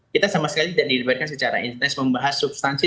kita sama sekali tidak dilibatkan secara intens membahas substansi